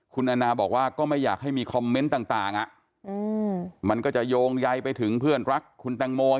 คุณแอนนาบอกว่าก็ไม่อยากให้มีคอมเมนต์ต่างมันก็จะโยงใยไปถึงเพื่อนรักคุณแตงโม